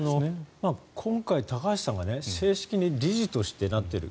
今回、高橋さんが正式に理事としてなっている。